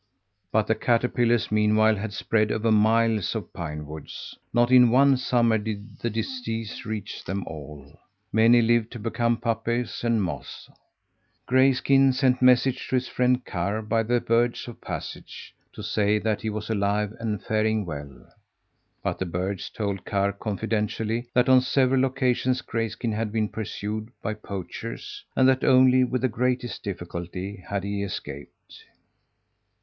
But the caterpillars, meanwhile, had spread over miles of pine woods. Not in one summer did the disease reach them all. Many lived to become pupas and moths. Grayskin sent messages to his friend Karr by the birds of passage, to say that he was alive and faring well. But the birds told Karr confidentially that on several occasions Grayskin had been pursued by poachers, and that only with the greatest difficulty had he escaped.